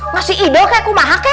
ngasih ide ke kumaha ke